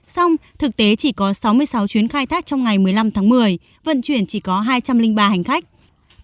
xong thực tế chỉ có sáu mươi sáu chuyến khai thác trong ngày một mươi năm tháng một mươi vận chuyển chỉ có hai trăm linh ba hành khách